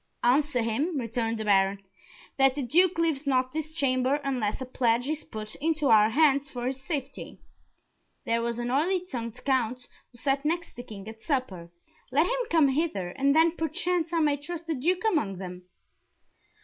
"Answer him," returned the Baron, "that the Duke leaves not this chamber unless a pledge is put into our hands for his safety. There was an oily tongued Count, who sat next the King at supper let him come hither, and then perchance I may trust the Duke among them."